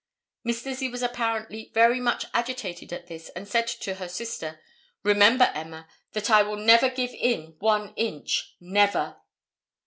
Miss Lizzie was apparently very much agitated at this and said to her sister, "Remember, Emma, that I will never give in one inch, never."